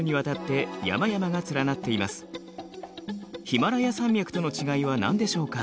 ヒマラヤ山脈との違いは何でしょうか。